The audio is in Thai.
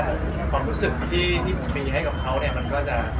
พอกรุณรู้สึกที่ผมมีให้กับเขามันก็จะ